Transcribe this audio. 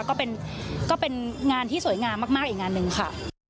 ก็เป็นงานที่สวยงามมากอีกงานหนึ่งค่ะ